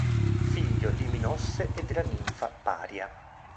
Figlio di Minosse e della ninfa Paria.